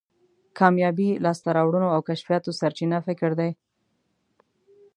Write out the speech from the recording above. کامیابی، لاسته راوړنو او کشفیاتو سرچینه فکر دی.